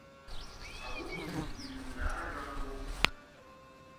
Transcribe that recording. À wóhwì ìlùùnǎ rzáŋɡó.